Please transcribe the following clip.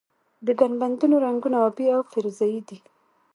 د ګنبدونو رنګونه ابي او فیروزه یي دي.